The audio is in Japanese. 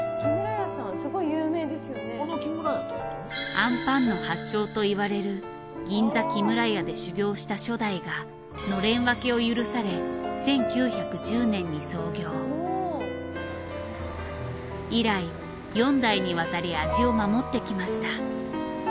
あんぱんの発祥といわれる銀座木村屋で修業した初代がのれん分けを許され以来４代にわたり味を守ってきました。